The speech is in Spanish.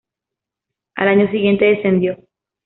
Al año siguiente descendió.